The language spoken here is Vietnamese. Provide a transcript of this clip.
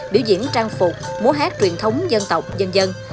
biểu diễn trang phục múa hát truyền thống dân tộc dân dân